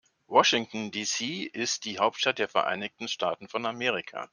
Washington, D.C. ist die Hauptstadt der Vereinigten Staaten von Amerika.